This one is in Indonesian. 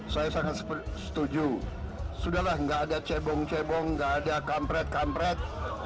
saya sangat setuju sudahlah nggak ada cebong cebong nggak ada kampret kampret